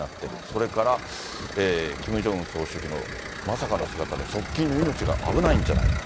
それから、キム・ジョンウン総書記のまさかの姿で、側近の命が危ないんじゃないか。